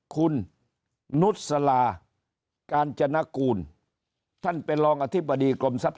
คุณนุษย์สลาการจนกูลท่านไปลองอธิบดีกรมทรัพย์